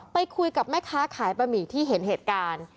ไปคุยกับแม่ค้าขายบะหมี่ที่เห็นเหตุการณ์